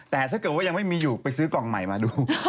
แต่ถ้าเกิดว่ายังไม่มีอยู่ไปซื้อกล่องใหม่มาดู